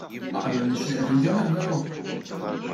Ma qalulniex li qegħdin ġol-envelope?